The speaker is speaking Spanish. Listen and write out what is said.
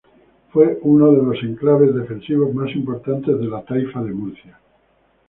Fue uno de los enclaves defensivos más importantes de la Taifa de Murcia.